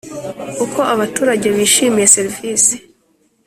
Uko abaturage bishimiye serivisi